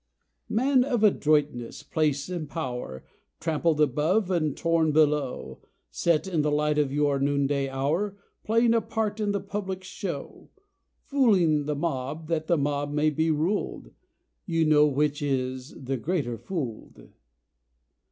Man of adroitness, place and power, Trampled above and torn below; Set in the light of your noonday hour, Playing a part in the public show; Fooling the mob that the mob be ruled: You know which is the greater fooled.